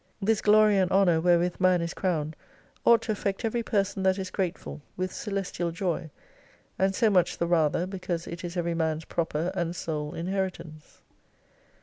This glory and honour wherewith man is crowned ought to affect every person that is grateful, with celestial joy : and so much the rather because it is every man's proper and sole inheritance.